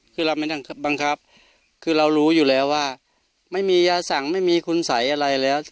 คือเราไม่ต้องบังคับคือเรารู้อยู่แล้วว่าไม่มียาสั่งไม่มีคุณสัยอะไรแล้ว